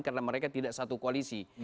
karena mereka tidak satu koalisi